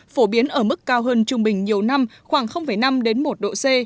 phổ biến ở mức cao hơn trung bình nhiều năm khoảng năm đến một độ c